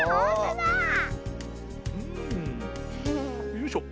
よいしょ。